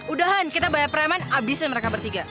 udahan kita bayar preman abisnya mereka bertiga